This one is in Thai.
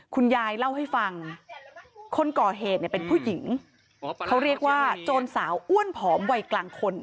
คุณยายเล่าให้ฟังคนก่อเหตุเนี่ยเป็นผู้หญิงเขาเรียกว่าโจรสาวอ้วนผอมวัยกลางคน